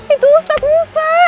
itu ustaz musa